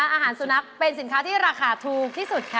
อาหารสุนัขเป็นสินค้าที่ราคาถูกที่สุดค่ะ